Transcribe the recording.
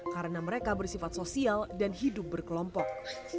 karena mereka bersifat sosial dan hidup berkelompok